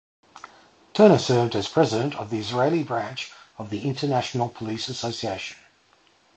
Turner served as president of the Israeli branch of the International Police Association.